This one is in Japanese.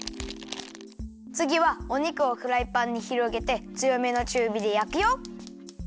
つぎはお肉をフライパンにひろげてつよめのちゅうびでやくよ。